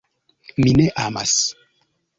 Mi ne amas.